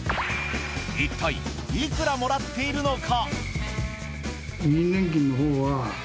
一体いくらもらっているのか。